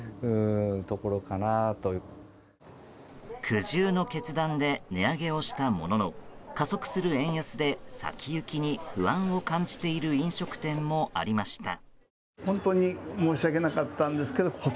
苦渋の決断で値上げをしたものの加速する円安で先行きに不安を感じている飲食店もありました。